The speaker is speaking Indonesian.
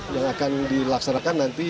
yang akan dilaksanakan nanti